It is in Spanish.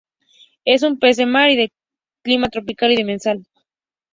Es un pez de mar y de clima tropical y demersal.